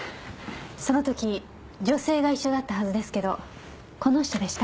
その時女性が一緒だったはずですけどこの人でした？